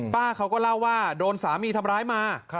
ป้าเขาก็เล่าว่าโดนสามีทำร้ายมา